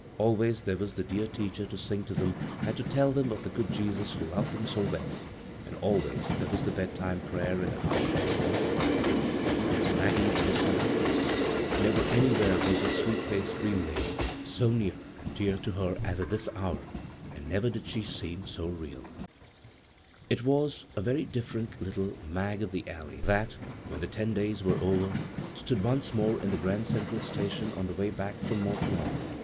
Always there was the dear teacher to ^g to them, and to tell them of the good Jesus who loved them so well ; and always there was the bedtime prayer in the hush of the long, quiet room. For Maggie there was something else — never an]rwhere was the sweet ^iced " dream lady " so near and dear to her as at this hour, and never did she seem so real >54 bvGoog[c CROSS CURRENTS It was a very different little " Mag of tbe Alley " that, when the ten days were over, stood once more in the Grand Central Station on the way back from Mont Lawn.